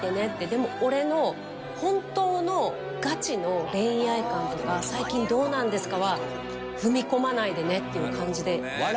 でも俺の本当のガチの恋愛観とか最近どうなんですか？は踏み込まないでねっていう感じで。